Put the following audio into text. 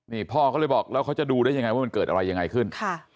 นี่พ่อเขาเลยบอกแล้วเขาจะดูได้ยังไงว่ามันเกิดอะไรยังไงขึ้น